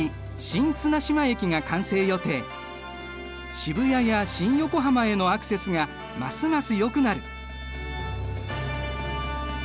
渋谷や新横浜へのアクセスがますますよくなる。